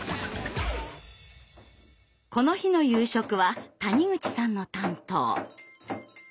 この日の夕食は谷口さんの担当。